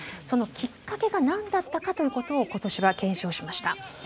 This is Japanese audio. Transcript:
そのきっかけが何だったかということを今年は検証しました。